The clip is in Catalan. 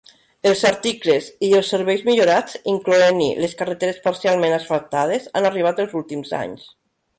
Els articles i els serveis millorats, incloent-hi les carreteres parcialment asfaltades, han arribat als últims anys.